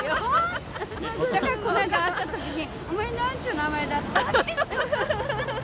だからこの前会ったときに、お前、なんちゅう名前だった？って聞いて。